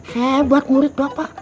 hebat murid bapak